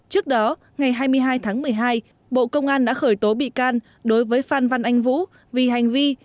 trước đó ngày hai mươi hai tháng một mươi hai bộ công an đã khởi tố bị can đối với phan văn anh vũ vì hành vi